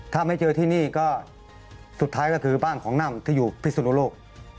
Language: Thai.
ถ้าไม่เจอที่นี่ก็สุดท้ายก็คือบ้านของน่ำที่อยู่พิสุนโลก